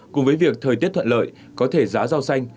cùng với việc thời tiết thuận lợi có thể giá rau xanh